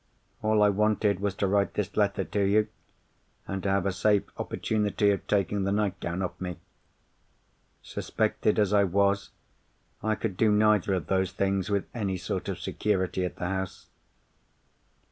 All I wanted was to write this letter to you, and to have a safe opportunity of taking the nightgown off me. Suspected as I was, I could do neither of those things with any sort of security, at the house.